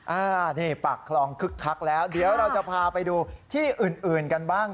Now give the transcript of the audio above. อ่านี่ปากคลองคึกคักแล้วเดี๋ยวเราจะพาไปดูที่อื่นอื่นกันบ้าง